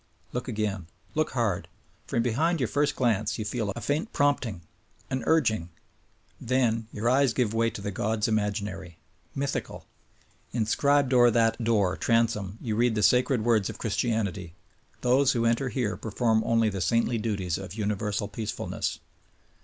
Look again; look hard! From behind your first glance you feel a faint prompting, an urging ; then, your eyes give way to the gods imaginary : Mythical ! Inscribed o'er that outer door transom you read the sacred words of Christianity: "Those who enter here perform only the saintly duties of universal peacefulness."